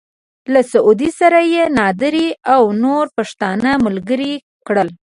له مسعود سره يې نادري او نور پښتانه ملګري کړل.